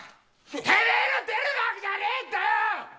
てめえの出る幕じゃねえんだよ！